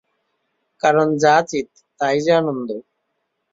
কারণ যা চিৎ, তা-ই যে আনন্দ।